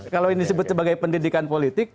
kalau ini disebut sebagai pendidikan politik